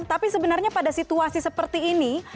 tapi sebenarnya pada situasi seperti ini